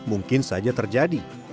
mungkin saja terjadi